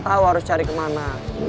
tau harus cari kemana